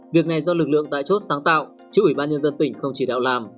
việc này do lực lượng tại chốt sáng tạo chứ ủy ban nhân dân tỉnh không chỉ đạo làm